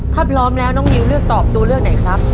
ถ้าพร้อมแล้วน้องนิวเลือกตอบตัวเลือกไหนครับ